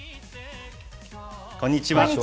こんにちは。